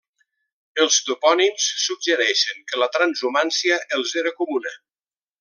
Els topònims suggereixen que la transhumància els era comuna.